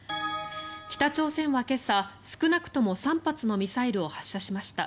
北朝鮮は今朝、少なくとも３発のミサイルを発射しました。